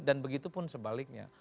dan begitu pun sebaliknya